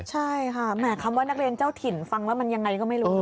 ใช่ค่ะแหมคำว่านักเรียนเจ้าถิ่นฟังแล้วมันยังไงก็ไม่รู้